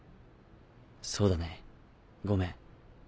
そうだねごめん。